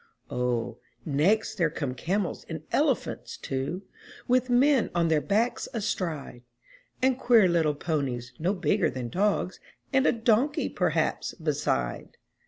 O, next there come camels and elephants, too, With men on their backs astride. And queer little ponies, no bigger than dogs, And a donkey perhaps beside!